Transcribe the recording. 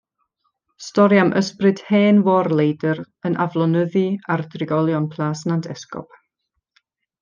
Stori am ysbryd hen fôr-leidr yn aflonyddu ar drigolion Plas Nant Esgob.